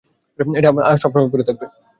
এটা সবসময় পরে থাকবে।